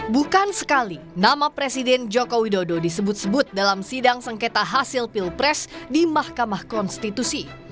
bukan sekali nama presiden joko widodo disebut sebut dalam sidang sengketa hasil pilpres di mahkamah konstitusi